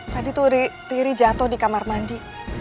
tadi riri jatuh di kamar mandi